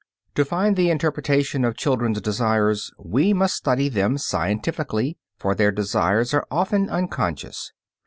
To find the interpretation of children's desires we must study them scientifically, for their desires are often unconscious.